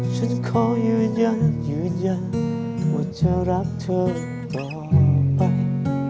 ฉันขอยืนยันยืนยันว่าเธอรักเธอต่อไป